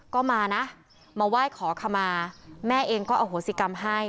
ก็มานะมาไหว้ขอขมาแม่เองก็อโหสิกรรมให้